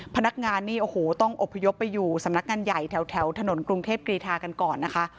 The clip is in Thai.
พนักงานนี่โอ้โหต้องอบพยพไปอยู่สำนักงานใหญ่แถวถนนกรุงเทพกรีธากันก่อนนะคะ